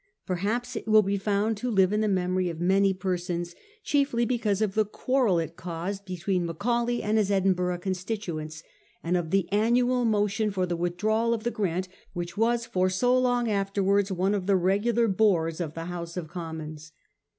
Per haps it will be found to live in the memory of many persons, chiefly because of the quarrel it caused 1845. THE MATNOOTH GRANT. 309 between Macaulay and his Edinburgh constituents, and of the annual motion for the withdrawal of the grant which was so long afterwards one of the regu lar bores of the House of Commons.